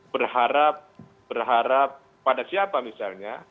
berharap pada siapa misalnya